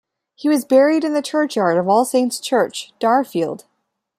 He was buried in the churchyard of All Saints Church, Darfield.